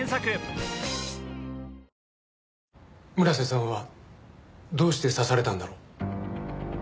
村瀬さんはどうして刺されたんだろう？